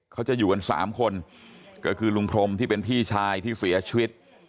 เขาจะอยู่กันสามคนก็คือลุงพรมที่เป็นพี่ชายที่เสียชีวิต